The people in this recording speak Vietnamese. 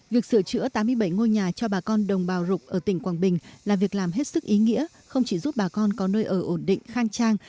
việc sửa chữa tám mươi bảy ngôi nhà cho bà con đồng bào rục ở tỉnh quảng bình là việc làm hết sức ý nghĩa không chỉ giúp bà con có nơi ở ổn định khang trang